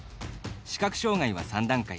視覚障がいは３段階。